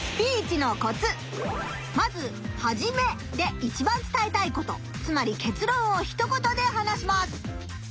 まずはじめでいちばん伝えたいことつまり結論をひと言で話します。